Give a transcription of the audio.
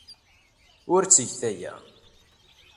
Ur ttget aya.